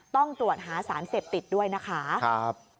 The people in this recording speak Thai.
ต้องตรวจหาสารเสพติดด้วยนะคะ